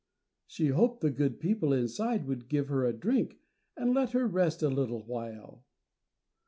She hoped the good people inside would give her a drink, and let her rest a little while.